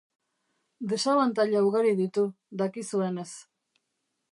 Desabantaila ugari ditu, dakizuenez.